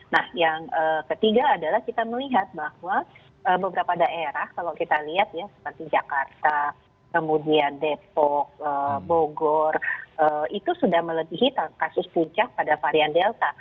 nah yang ketiga adalah kita melihat bahwa beberapa daerah kalau kita lihat ya seperti jakarta kemudian depok bogor itu sudah melebihi kasus puncak pada varian delta